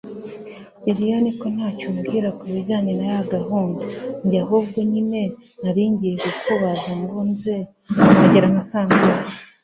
lilian ko ntacyo umbwira kubijyanye nayagahunda!? njye ahubwo nyine naringiye kukubaza ngo nze kuhagera nka saa ngahe!